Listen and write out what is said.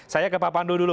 saya ke pak pandu dulu